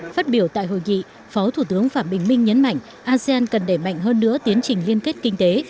phát biểu tại hội nghị phó thủ tướng phạm bình minh nhấn mạnh asean cần đẩy mạnh hơn nữa tiến trình liên kết kinh tế